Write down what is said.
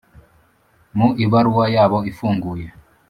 mu ibaruwa yawo ifunguye,